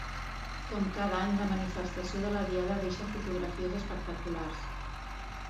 Com cada any, la manifestació de la Diada deixa fotografies espectaculars.